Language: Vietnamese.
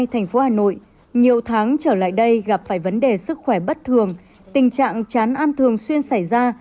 thành phố hà nội nhiều tháng trở lại đây gặp phải vấn đề sức khỏe bất thường tình trạng chán ăn thường xuyên xảy ra